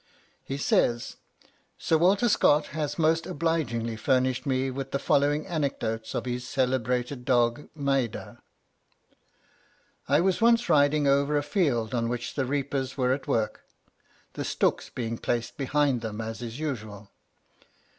He says: "Sir Walter Scott has most obligingly furnished me with the following anecdotes of his celebrated dog Maida: "I was once riding over a field on which the reapers were at work, the stooks being placed behind them, as is usual.